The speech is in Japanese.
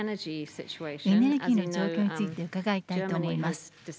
エネルギーの状況について伺いたいと思います。